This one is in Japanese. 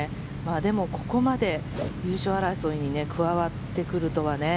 でも、ここまで優勝争いに加わってくるとはね。